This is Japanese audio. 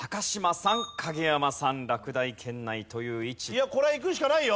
いやこれはいくしかないよ！